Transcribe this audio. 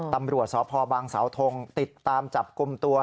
ตำรวจสพบางสาวทงติดตามจับกลุ่มตัว